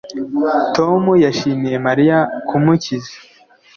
Tom yashimiye Mariya kumukiza